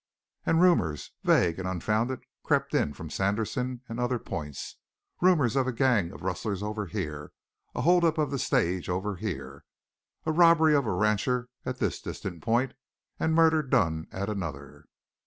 And rumors, vague and unfounded, crept in from Sanderson and other points, rumors of a gang of rustlers off here, a hold up of the stage off here, robbery of a rancher at this distant point, and murder done at another.